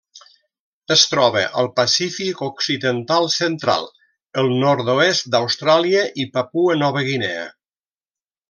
Es troba al Pacífic occidental central: el nord-oest d'Austràlia i Papua Nova Guinea.